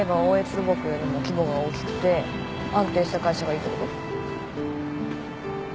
土木よりも規模が大きくて安定した会社がいいってこと？